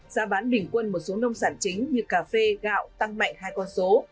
giá bán bình quân một số nông sản chính như cà phê gạo tăng mạnh hai con số